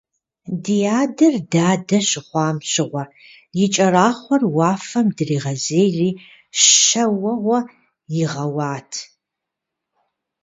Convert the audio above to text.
Ди адэр дадэ щыхъуам щыгъуэ, и кӏэрахъуэр уафэм дригъэзейри щэ уэгъуэ игъэуат.